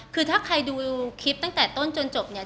คือถ้าใครดูคลิปตั้งแต่ต้นจนจบเนี่ย